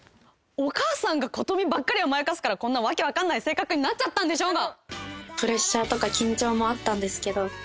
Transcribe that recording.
お母さんが琴美ばっかり甘やかすからこんな訳分かんない性格になっちゃったんでしょうが！